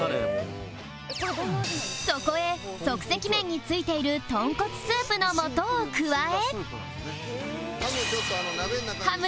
そこへ即席麺に付いている豚骨スープのもとを加え